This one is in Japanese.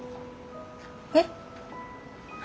えっ？